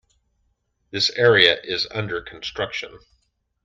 This area is under construction.